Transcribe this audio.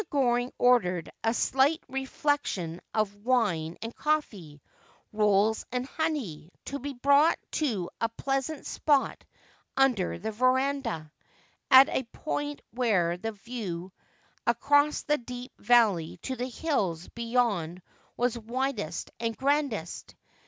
Goring ordered a slight refection of wine and coffee, rolls and honey, to be brought to a pleasant spot under the verandah, at a point where the view across the deep valley to the hills beyond was widest and grandest.